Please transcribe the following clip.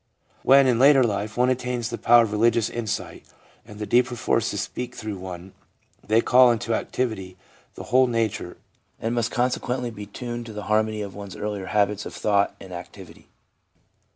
When, in later life, one attains the power of religious insight, and the deeper forces speak through one, they call into activity the whole nature, and must consequently be tuned to the harmony of one's earlier habits of thought and activity.